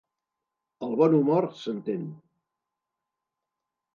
El bon humor, s'entén.